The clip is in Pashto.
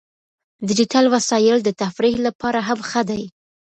ډیجیټل وسایل د تفریح لپاره هم ښه دي.